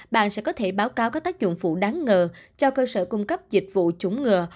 bạn sẽ có thể báo cáo các tác dụng phụ đáng ngờ cho cơ sở cung cấp dịch vụ chống ngừa